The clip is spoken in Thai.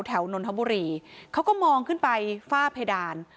นนทบุรีเขาก็มองขึ้นไปฝ้าเพดาน